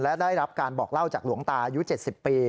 และได้รับการบอกเล่าจากหลวงตาอายุ๗๐ปี